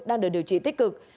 đang được điều trị tích cực